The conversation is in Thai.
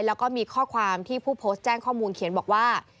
แล้วก็มีข้อความที่ผู้โพสต์แจ้งข้อมูลเขียนบอกว่า